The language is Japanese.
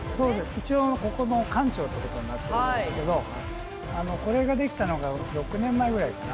一応ここの館長ってことになってるんですけどこれが出来たのが６年前ぐらいかな。